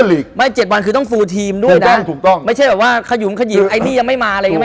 หมายถึง๗วันคือต้องฟูทีมด้วยนะไม่ใช่แบบว่าขยุมขยิบไอ้นี่ยังไม่มาอะไรก็ไม่เอา